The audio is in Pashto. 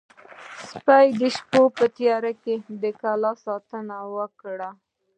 سپي د شپې په تیاره کې د کلا ساتنه وکړه.